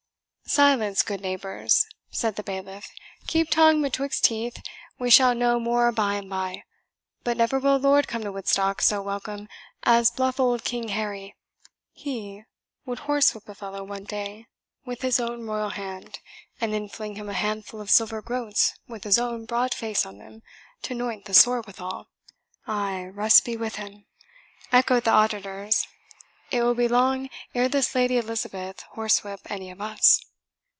"Silence, good neighbours!" said the bailiff, "keep tongue betwixt teeth; we shall know more by and by. But never will a lord come to Woodstock so welcome as bluff old King Harry! He would horsewhip a fellow one day with his own royal hand, and then fling him an handful of silver groats, with his own broad face on them, to 'noint the sore withal." "Ay, rest be with him!" echoed the auditors; "it will be long ere this Lady Elizabeth horsewhip any of us."